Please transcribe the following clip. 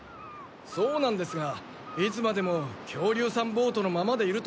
そうなんですがいつまでも恐竜さんボートのままでいると思えないし。